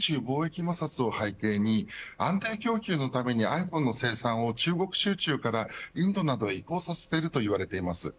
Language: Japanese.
アップルは米中貿易摩擦を背景に安定供給のためにｉＰｈｏｎｅの生産を中国集中からインドなどへ移行させていると言われています。